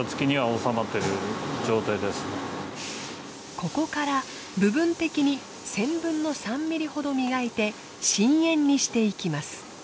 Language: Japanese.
ここから部分的に１０００分の３ｍｍほど磨いて真円にしていきます。